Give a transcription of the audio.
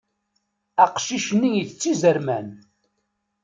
Aqcic-nni itett izerman.